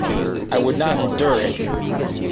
I would not endure it.